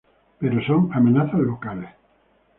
Pero son amenazas locales.